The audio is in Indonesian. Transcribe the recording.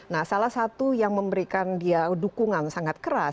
nah salah satu yang memberikan dia dukungan sangat keras